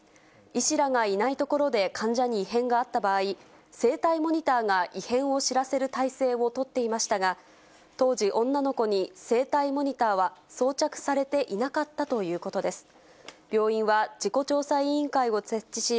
医師らがいないところで患者に異変があった場合、生体モニターが異変を知らせる体制を取っていましたが、当時、女の子に生体モニターは装着されていなかったということです。